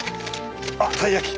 あったい焼き！